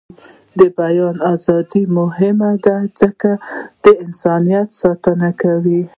د بیان ازادي مهمه ده ځکه چې د انسانیت ساتنه کوي.